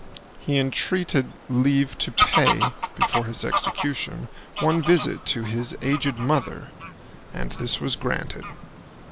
He entreated leave to pay, before his execution, one visit to his aged mother, and this was granted.